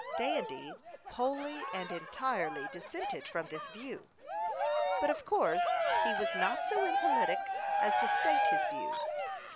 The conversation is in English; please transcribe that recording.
Dandy wholly and entirely dissented from this view; but of course he was not so impolitic as to state his views.